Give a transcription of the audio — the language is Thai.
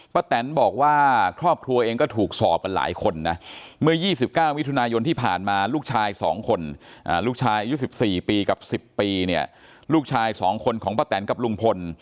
แตนบอกว่าครอบครัวเองก็ถูกสอบกันหลายคนนะเมื่อ๒๙มิถุนายนที่ผ่านมาลูกชาย๒คนลูกชายอายุ๑๔ปีกับ๑๐ปีเนี่ยลูกชาย๒คนของป้าแตนกับลุงพล